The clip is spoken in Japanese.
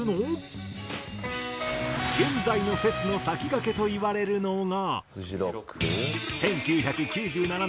現在のフェスの先駆けといわれるのが。